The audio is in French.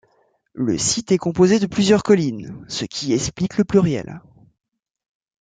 Le site est composé de plusieurs collines, ce qui explique le pluriel.